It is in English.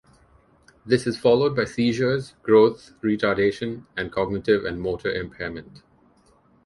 This is followed by seizures, growth retardation and cognitive and motor impairment.